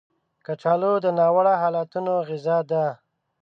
کچالو د ناوړه حالتونو غذا ده